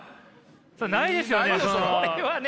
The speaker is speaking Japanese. それないですよね！